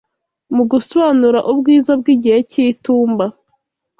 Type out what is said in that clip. mu gusobanura ubwiza bw’igihe cy’itumba.